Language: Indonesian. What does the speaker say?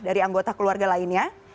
dari anggota keluarga lainnya